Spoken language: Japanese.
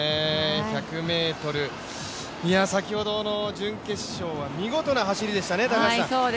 １００ｍ、先ほどの準決勝は見事な走りでしたね。